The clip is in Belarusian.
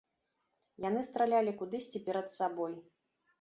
Яны стралялі кудысьці перад сабой.